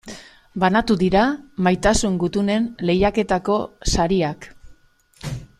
Banatu dira Maitasun Gutunen lehiaketako sariak.